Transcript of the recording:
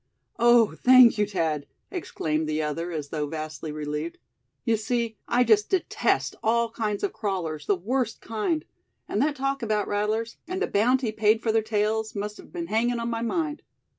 "Oh! thank you, Thad!" exclaimed the other, as though vastly relieved. "You see, I just detest all kinds of crawlers the worst kind; and that talk about rattlers, and the bounty paid for their tails, must have been hanging on my mind.